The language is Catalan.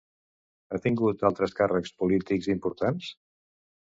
Ha tingut altres càrrecs polítics importants?